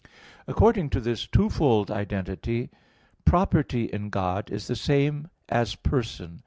According to this twofold identity, property in God is the same as person.